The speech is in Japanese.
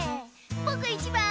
ぼくいちばん！